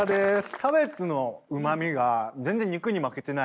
キャベツのうま味が全然肉に負けてない。